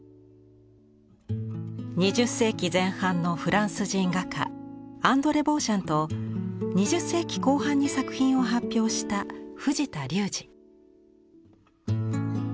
２０世紀前半のフランス人画家アンドレ・ボーシャンと２０世紀後半に作品を発表した藤田龍児。